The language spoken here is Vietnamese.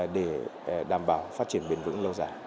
để đảm bảo phát triển bền vững lâu dài